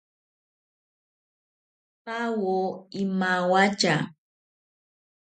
Pawo imawatya.